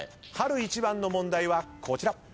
春一番の問題はこちら。